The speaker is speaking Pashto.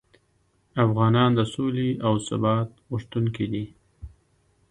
افغانان د سولې او ثبات غوښتونکي دي.